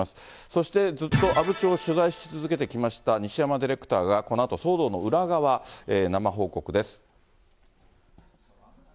そしてずっと阿武町を取材し続けてきました西山ディレクターがこのあと騒動の裏側、生報告です。